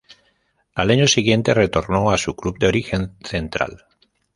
Al año siguiente retornó a su club de origen, Central.